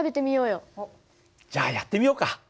じゃあやってみようか。